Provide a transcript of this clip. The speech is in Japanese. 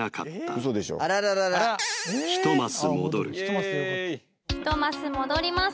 １マス戻ります